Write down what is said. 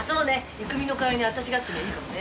郁美の代わりに私がってのもいいかもね。